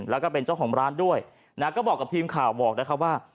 แล้วก็เป็นเจ้าของร้านด้วยก็บอกกับพิมพ์ข่าวว่า